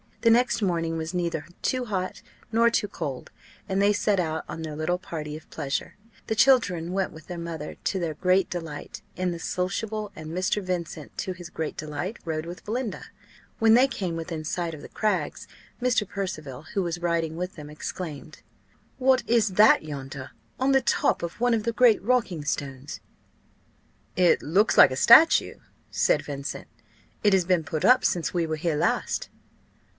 The next morning was neither too hot nor too cold, and they set out on their little party of pleasure; the children went with their mother, to their great delight, in the sociable; and Mr. Vincent, to his great delight, rode with Belinda. When they came within sight of the Crags, Mr. Percival, who was riding with them, exclaimed "What is that yonder, on the top of one of the great rocking stones?" "It looks like a statue," said Vincent. "It has been put up since we were here last."